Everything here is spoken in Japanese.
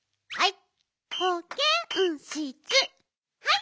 はい！